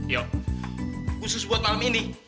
yuk khusus buat malam ini